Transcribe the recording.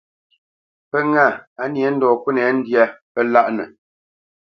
Pə́ ŋâ, á nyě ndɔ̌ ŋkúnɛ̂ ndyá, pə́ láʼnə.